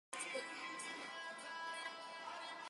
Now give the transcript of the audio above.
هر نظام باید ځواب ووایي